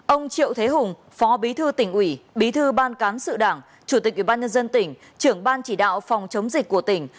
ông triệu thế hùng phó bí thư tỉnh ủy bí thư ban cán sự đảng chủ tịch ubnd tỉnh trưởng ban chỉ đạo phòng chống dịch của tỉnh